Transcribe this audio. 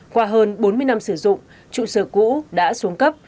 qua hơn bốn mươi năm sử dụng trụ sở cũ đã xuống cấp